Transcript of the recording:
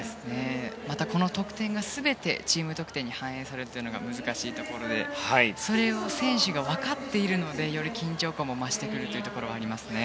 また、この得点が全てチーム得点に反映されるというのが難しいところでそれを選手が分かっているのでより緊張感も増してきますね。